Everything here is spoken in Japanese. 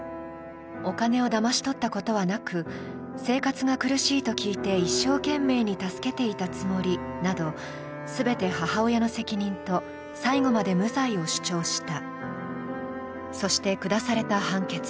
お金をだまし取ったことはなく、生活が苦しいと聞いて一生懸命に助けていたつもりなど、すべて母親の責任と最後まで無罪を主張した。